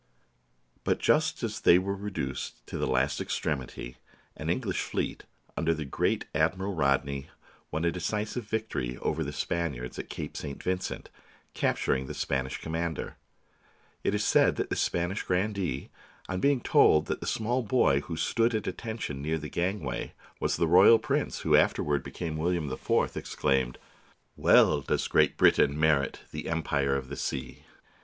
But just as they were reduced to the last extrem ity, an English fleet, under the great Admiral Rod ney, won a decisive victory over the Spaniards at Cape St. Vincent, capturing the Spanish com mander. It is said that this Spanish grandee on being told that the small boy who stood at atten tion near the gangway was the Royal Prince, who afterward became William IV, exclaimed: "Well does Great Britain merit the empire of the sea!"